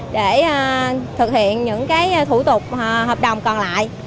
để thực hiện những thủ tục hợp đồng còn lại